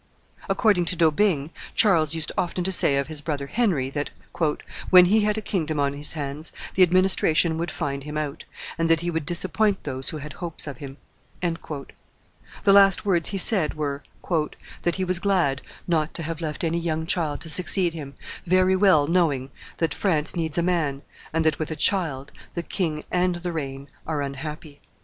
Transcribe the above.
According to D'Aubigne, Charles used often to say of his brother Henry, that, "when he had a kingdom on his hands, the administration would find him out, and that he would disappoint those who had hopes of him." The last words he said were, "that he was glad not to have left any young child to succeed him, very well knowing that France needs a man, and that, with a child, the king and the reign are unhappy." CHAPTER XXXIV.